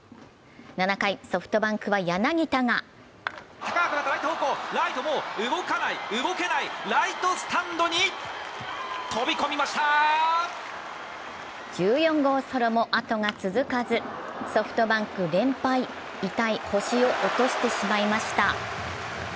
７回、ソフトバンクは柳田が１４号ソロもあとが続かずソフトバンク連敗、痛い星を落としてしまいました。